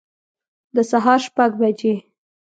د سهار شپږ بجي